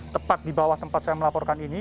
tepat di bawah tempat saya melaporkan ini